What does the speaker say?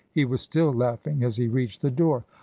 He was still laughing as he reached the door.